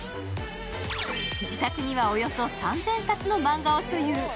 自宅にはおよそ３０００冊のマンガを所有。